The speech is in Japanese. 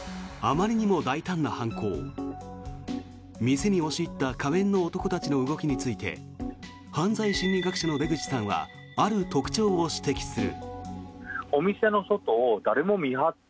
店に押し入った仮面の男たちの動きについて犯罪心理学者の出口さんはある特徴を指摘する。